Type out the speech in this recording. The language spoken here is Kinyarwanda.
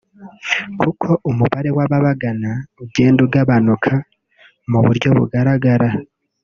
kuko umubare w’ababagana ugenda ugabanuka mu buryo bugaragara